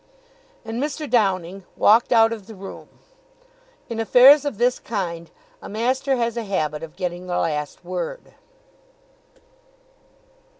And Mr. Downing walked out of the room. In affairs of this kind a master has a habit of getting the last word.